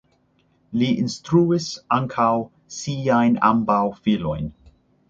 Li instruis ankaŭ siajn ambaŭ filojn.